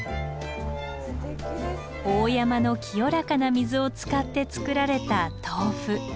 大山の清らかな水を使って作られた豆腐。